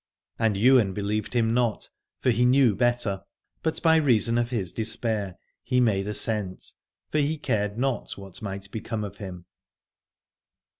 And Ywain believed him not, for he knew better : but by reason of his despair he made assent: for he cared not what might become of him.